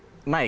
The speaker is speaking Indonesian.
ada tren naik